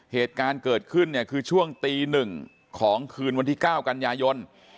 เหตุการณ์เกิดขึ้นเนี่ยคือช่วงตี๑ของคืนวันที่๙กันยายน